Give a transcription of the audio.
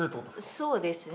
そうですね